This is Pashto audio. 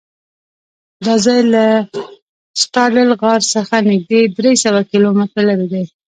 دا ځای له ستادل غار څخه نږدې درېسوه کیلومتره لرې دی.